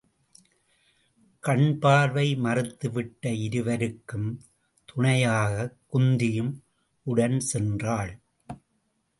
கண் பார்வை மறுத்துவிட்ட இருவருக்கும் துணையாகக் குந்தியும் உடன் சென்றாள்.